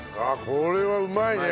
これはうまいね！